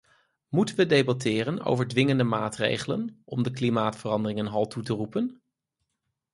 Moeten we debatteren over dwingende maatregelen om de klimaatverandering een halt toe te roepen?